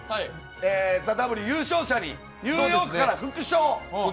ＴＨＥＷ優勝者にニューヨークから副賞。